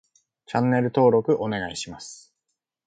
チャンネル登録お願いします